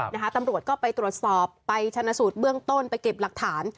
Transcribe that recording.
ตำรวจก็ไปตรวจสอบไปชนะสูตรเบื้องต้นไปเก็บหลักฐาน